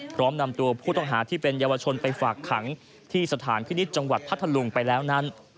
พร้อมนำตัวผู้ต้องหาที่เป็นเยาวชนไปฝากขังที่สถานพินิษฐ์จังหวัดพัทธลุงไปแล้วนั้น